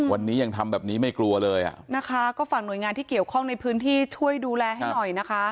วันนี้ยังทำแบบนี้ไม่กลัวเลยอ่ะนะคะก็ฝากหน่วยงานที่เกี่ยวข้องในพื้นที่ช่วยดูแลให้หน่อยนะคะ